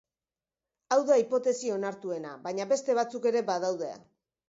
Hau da hipotesi onartuena baina beste batzuk ere badaude.